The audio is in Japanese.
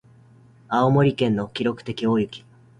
青森県の記録的大雪